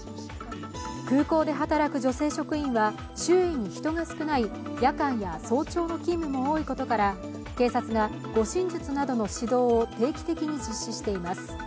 空港で働く女性職員は周囲に人が少ない夜間や早朝の勤務も多いことから警察が護身術などの指導を定期的に実施しています。